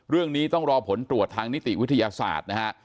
เรื่องนี้ต้องรอผลตรวจทางนิติวิทยาศาสตร์นะฮะ